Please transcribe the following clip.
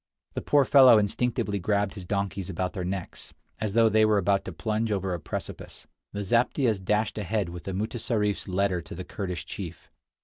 The poor fellow instinctively grabbed his donkeys about their necks, as though they were about to plunge over a precipice. The zaptiehs dashed ahead with the mutessarif's letter to the Kurdish chief.